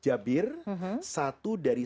jabir satu dari